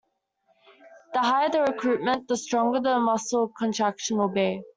The higher the recruitment the stronger the muscle contraction will be.